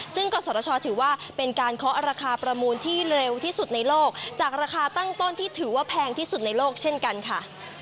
ซึ่งกศชถือว่าเป็นการเคาะราคาประมูลที่เร็วที่สุดในโลกจากราคาตั้งต้นที่ถือว่าแพงที่สุดในโลกเช่นกันค่ะ